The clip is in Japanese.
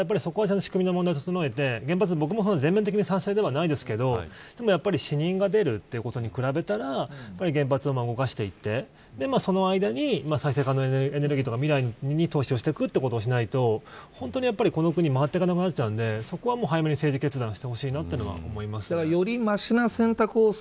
そこは仕組みの問題を整えて僕も原発は全面的に賛成ではないですがでも死人が出ることに比べたら原発を動かしていってその間に再生可能エネルギーとか未来に投資することをしないと本当にこの国が回っていかなくなるのでそこを早めに政治決断してほしいと思います。